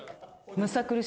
むさ苦しい。